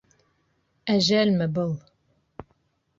Әжәлме был?